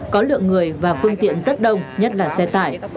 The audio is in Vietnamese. có lượng người và phương tiện rất đông nhất là xe tải